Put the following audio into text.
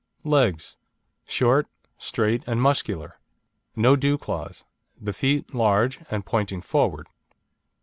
LEGS Short, straight, and muscular. No dew claws, the feet large and pointing forward.